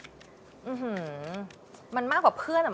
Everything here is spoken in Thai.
อื้อหือมันมากกว่าเพื่อนอะ